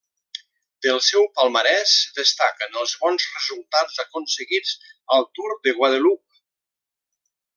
Del seu palmarès destaquen els bons resultats aconseguits al Tour de Guadeloupe.